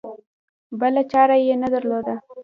بله چاره یې نه درلوده.